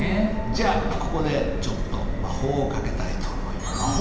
じゃあここでちょっと魔法をかけたいと思います。